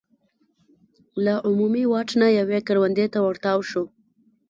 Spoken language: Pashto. له عمومي واټ نه یوې کروندې ته ور تاو شو.